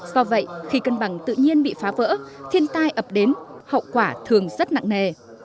do vậy khi cân bằng tự nhiên bị phá vỡ thiên tai ập đến hậu quả thường rất nặng nề